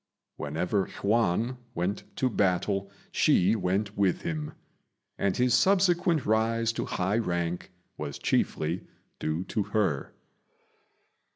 Whenever Yüan went to battle she went with him; and his subsequent rise to high rank was chiefly due to her.